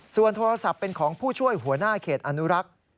ส่วนโทรศัพท์เป็นของผู้ช่วยหัวหน้าเขตอนุรักษ์